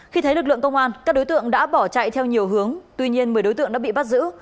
khi thấy lực lượng công an các đối tượng đã bỏ chạy theo nhiều hướng tuy nhiên một mươi đối tượng đã bị bắt giữ